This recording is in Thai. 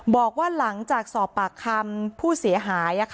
บอกว่าหลังจากสอบปากคำผู้เสียหาย